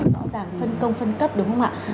rõ ràng phân công phân cấp đúng không ạ